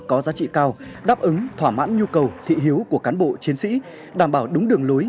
có giá trị cao đáp ứng thỏa mãn nhu cầu thị hiếu của cán bộ chiến sĩ đảm bảo đúng đường lối